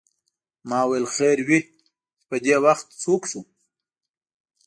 ما ویل خیر وې چې پدې وخت څوک شو.